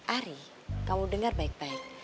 ari kamu dengar baik baik